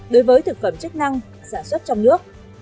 đối với thực phẩm chức năng sản xuất trong nước